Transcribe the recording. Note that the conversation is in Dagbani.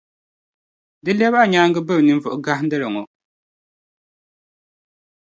di lɛbi a nyaaŋa biri a ninvuɣu gahindili ŋɔ.